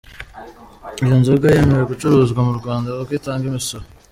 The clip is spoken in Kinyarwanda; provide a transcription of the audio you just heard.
Iyo nzoga yemewe gucuruzwa mu Rwanda kuko itanga imisoro.